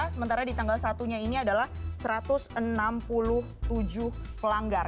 sementara di tanggal satunya ini adalah satu ratus enam puluh tujuh pelanggar